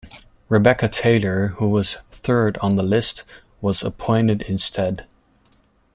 Rebecca Taylor, who was third on the list, was appointed instead.